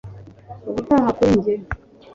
Ubutaha kuri njye